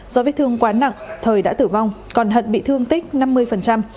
do vết thương quá nặng thời đã tử vong còn hận bị thương tích năm mươi